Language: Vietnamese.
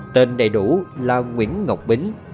tên đầy đủ là nguyễn ngọc bính